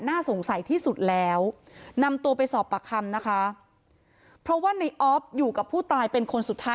น่าสงสัยที่สุดแล้วนำตัวไปสอบปากคำนะคะเพราะว่าในออฟอยู่กับผู้ตายเป็นคนสุดท้าย